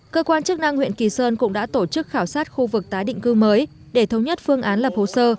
cơ quan chức năng huyện kỳ sơn cũng đã tổ chức khảo sát khu vực tái định cư mới để thống nhất phương án lập hồ sơ